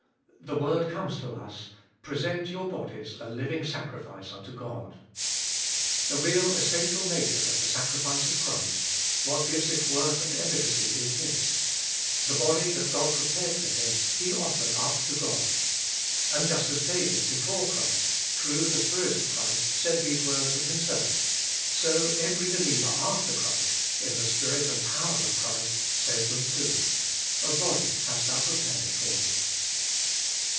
The word comes to us, Present your bodies a living sacrifice unto God. The real essential nature of the sacrifice of Christ, what gives it worth and efficacy, is this: the body that God prepared for Him, He offered up to God. And just as David, before Christ, through the Spirit of Christ, said these words of himself, so every believer after Christ, in the Spirit and power of Christ, says them too : A body hast thou prepared for me.